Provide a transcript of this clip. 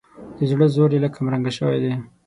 د زړه زور یې لږ کمرنګه شوی دی.